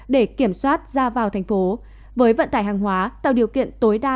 để kiểm soát ra vào thành phố với vận tải hàng hóa tạo điều kiện tối đa